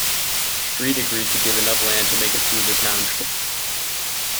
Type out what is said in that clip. Street agreed to give enough land to make it through the township.